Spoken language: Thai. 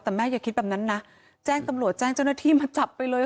แต่แม่อย่าคิดแบบนั้นนะแจ้งตำรวจแจ้งเจ้าหน้าที่มาจับไปเลย